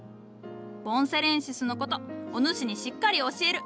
ボンセレンシスのことお主にしっかり教える。